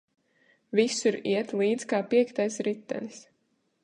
Visur iet līdz kā piektais ritenis.